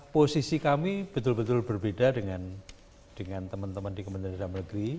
posisi kami betul betul berbeda dengan lkpp